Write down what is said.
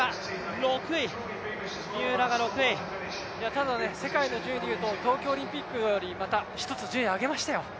ただ、世界の順位で言うと東京オリンピックよりまた１つ順位上げましたよ。